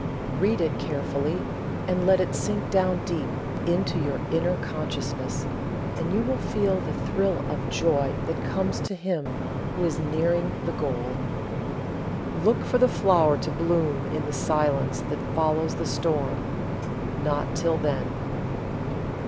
Read it carefully and let it sink down deep into your inner consciousness, and you will feel the thrill of joy that comes to him who is nearing the goal. "Look for the flower to bloom in the silence that follows the storm; not till then.